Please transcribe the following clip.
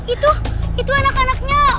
itu itu anak anaknya